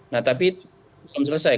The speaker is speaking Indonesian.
nah tapi belum selesai